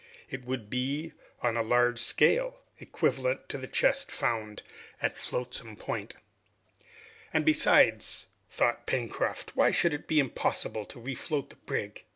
It would be, on a large scale, equivalent to the chest found at Flotsam Point. "And besides," thought Pencroft, "why should it be impossible to refloat the brig?